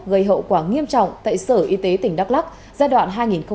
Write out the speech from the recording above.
gây hậu quả nghiêm trọng tại sở y tế tỉnh đắk lắc giai đoạn hai nghìn một mươi bốn hai nghìn một mươi năm